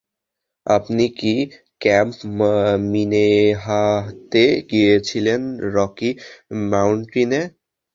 আপনি কি ক্যাম্প মিনেহাহাতে গিয়েছিলেন রকি মাউন্টেইনে?